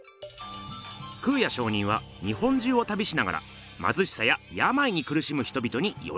空也上人は日本中をたびしながらまずしさややまいにくるしむ人々によりそいます。